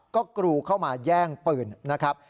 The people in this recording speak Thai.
ก็กรูเข้ามาแย่งปืนนะครับ